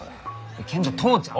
けんど父ちゃん！